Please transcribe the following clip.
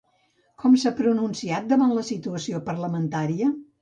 Com s'ha pronunciat davant de la situació parlamentària?